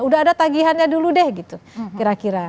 udah ada tagihannya dulu deh gitu kira kira